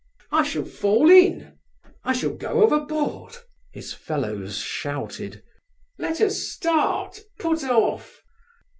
"I shall fall in!... I shall go overboard!..." his fellows shouted. "Let us start! Put off!"